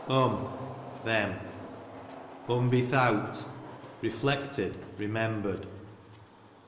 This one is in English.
Um, them. Unbethowt, reflected, reimmber'd.